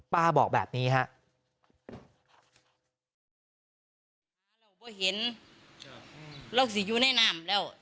ป้าบอกแบบนี้ฮะ